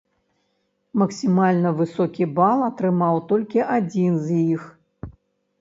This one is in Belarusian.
Максімальна высокі бал атрымаў толькі адзін з іх.